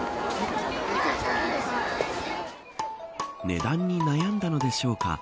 値段に悩んだのでしょうか。